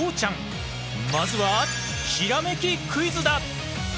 まずはひらめきクイズだ！